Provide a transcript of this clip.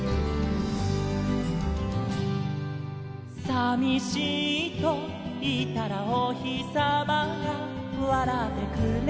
「さみしいといったらおひさまがわらってくれた」